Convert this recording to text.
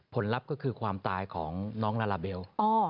ลัพธ์ก็คือความตายของน้องลาลาเบล